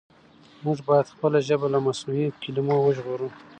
موږ بايد خپله ژبه له مصنوعي کلمو وژغورو.